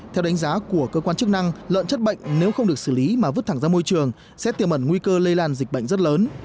theo đánh giá của cơ quan chức năng lợn chất bệnh nếu không được xử lý mà vứt thẳng ra môi trường sẽ tiềm ẩn nguy cơ lây lan dịch bệnh rất lớn